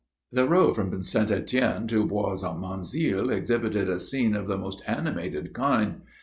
The road from St. Etienne to Bois Monzil, exhibited a scene of the most animated kind.